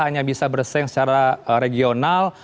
hanya bisa bersaing secara regional